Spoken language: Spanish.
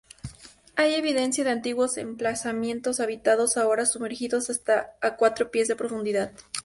Hay evidencias de antiguos emplazamientos habitados ahora sumergidos hasta a cuatro pies de profundidad.